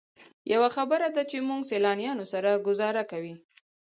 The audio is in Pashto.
یوه خبره ده چې موږ سیلانیانو سره ګوزاره کوئ.